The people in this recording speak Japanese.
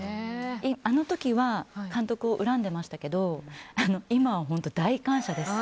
あの時は監督を恨んでましたけど今は本当大感謝です。